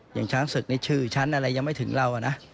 อย่างชั้นศึกในชื่อชั้นอะไรยังไม่ถึงเราล่ะนะ